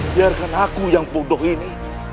biarkan aku yang bodoh ini